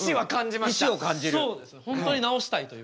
本当に治したいというか。